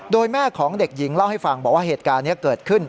โดยแม่ของเด็กหญิงเล่าให้ฟังบอกว่าเหตุการณ์นี้เกิดขึ้น